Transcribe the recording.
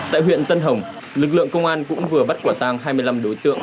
tại huyện tân hồng lực lượng công an cũng vừa bắt quả tang hai mươi năm đối tượng